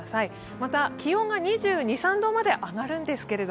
また気温が２２２３度まで上がるんですけど